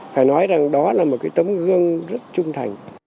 phải nói rằng đó là một cái tấm gương rất trung thành